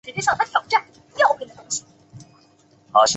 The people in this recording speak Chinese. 玻色早前曾经把爱因斯坦的广义相对论论文从德语翻译成英语。